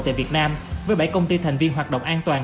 tại việt nam với bảy công ty thành viên hoạt động an toàn